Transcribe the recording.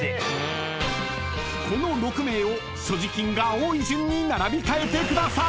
［この６名を所持金が多い順に並び替えてください］